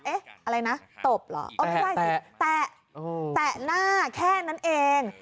เอ๊ะอะไรนะตบเหรอแตะแตะหน้าแค่นั้นเอง